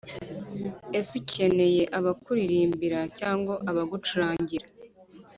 ese ukeneye abakuririmbira cyangwa abagucurangira